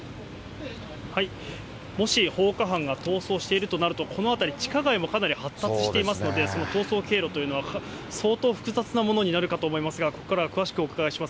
もし放火犯が逃走しているとなると、この辺り、地下街もかなり発達していますので、その逃走経路というのは相当複雑なものになるかと思いますが、ここからは詳しくお伺いします。